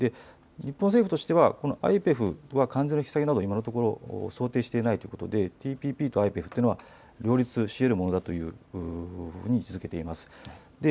日本政府としてはこのＩＰＥＦは関税の引き下げなど今のところ想定していないということでＴＰＰとＩＰＥＦというのは両立しえるものだというふうに位置づけています。